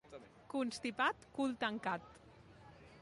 Constipat, cul tancat.